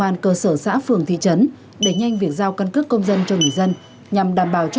công an cơ sở xã phường thị trấn đẩy nhanh việc giao căn cước công dân cho người dân nhằm đảm bảo cho